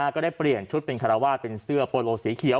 ก็ได้เปลี่ยนชุดเป็นคาราวาสเป็นเสื้อโปโลสีเขียว